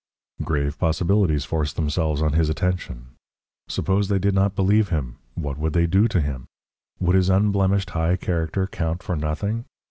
Grave possibilities forced themselves on his attention. Suppose they did not believe him, what would they do to him? Would his unblemished high character count for nothing?